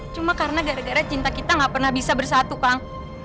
cuma karena gara gara cinta kita gak pernah bisa bersatu kang